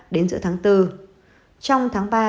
đến giữa tháng bốn trong tháng ba